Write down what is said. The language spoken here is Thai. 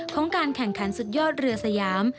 ของการแข่งขันสุดยอดเรือสยาม